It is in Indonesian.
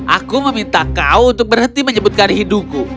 aku meminta kau untuk berhenti menyebutkan hidupku